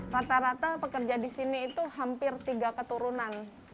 rata rata pekerja di sini itu hampir tiga keturunan